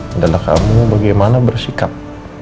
adalah kamu bagaimana bersikap